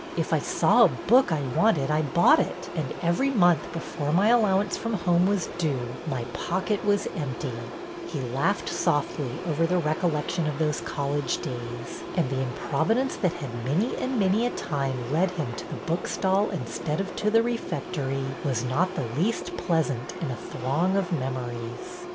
If I 266 BETTY BAIRD'S VENTURES saw a book I wanted I bought it, and every month before my allowance from home was due my pocket was empty/' He laughed softly over the recollection of those college days; and the improvidence that had many and many a time led him to the book stall instead of to the refectory was not the least pleasant in a throng of memories.